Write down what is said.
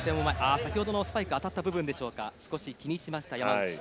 先ほどのスパイクが当たった部分でしょうか少し気にしました山内。